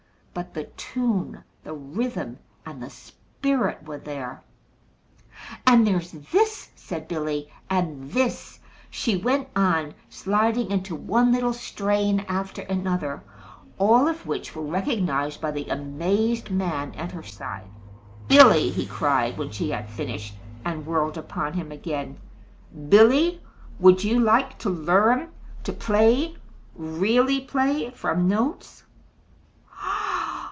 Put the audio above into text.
But the tune, the rhythm, and the spirit were there. "And there's this," said Billy; "and this," she went on, sliding into one little strain after another all of which were recognized by the amazed man at her side. "Billy," he cried, when she had finished and whirled upon him again, "Billy, would you like to learn to play really play from notes?"